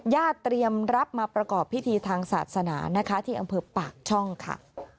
เตรียมรับมาประกอบพิธีทางศาสนานะคะที่อำเภอปากช่องค่ะ